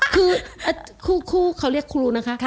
คือคู่เขาเรียกครูนะคะ